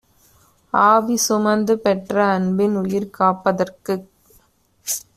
ஆவி சுமந்துபெற்ற அன்பன்உயிர் காப்பதற்குக்